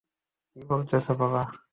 কী বলতেছো, বাবা?